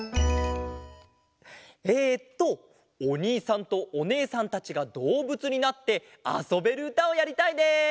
えっとおにいさんとおねえさんたちがどうぶつになってあそべるうたをやりたいです。